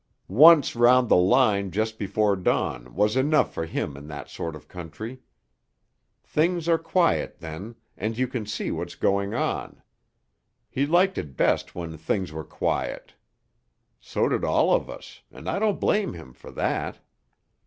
Once round the line just before dawn was enough for him in that sort of country. 'Things are quiet then, and you can see what's going on.' He liked it best when 'things were quiet.' So did all of us, and I don't blame him for that.